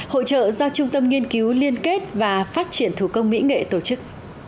hội trợ do trung tâm nghiên cứu liên kết và phát triển thủ công mỹ nghệ tổ chức